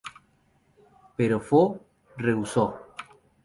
Pero Foo rehusó.